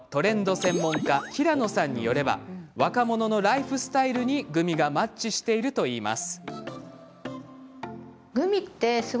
専門家平野さんによれば若者のライフスタイルにグミがマッチしていると言います。